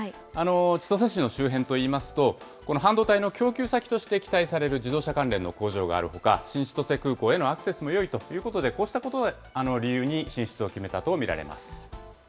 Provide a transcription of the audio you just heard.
千歳市の周辺といいますと、この半導体の供給先として期待される自動車関連の工場があるほか、新千歳空港へのアクセスもよいということで、こうしたことが理由に進出を決めたと見られます。